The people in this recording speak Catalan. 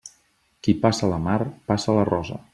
Qui passa la mar, passa la rosa.